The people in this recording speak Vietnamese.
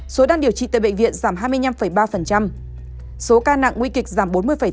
số đang điều trị tại bệnh viện giảm hai mươi năm ba số ca nặng nguy kịch giảm bốn mươi chín